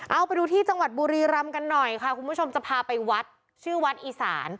เอาไปดูที่จังหวัดบุรีรำกันหน่อยค่ะคุณผู้ชมจะพาไปวัดชื่อวัดอีสาน